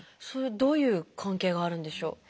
どういう関係があるんでしょう？